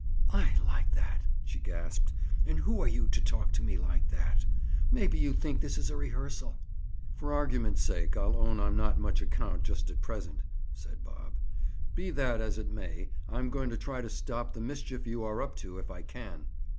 "I like that," she gasped. "And who are you to talk to me like that? Maybe you think this is a rehearsal." "For argument's sake, I'll own I'm not much account just at present," said Bob. "Be that as it may, I'm going to try to stop the mischief you are up to, if I can."